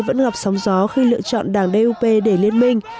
vẫn gặp sóng gió khi lựa chọn đảng dop để liên minh